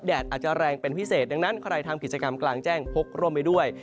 อาจจะแรงเป็นพิเศษดังนั้นใครทำกิจกรรมกลางแจ้งพกร่มไปด้วย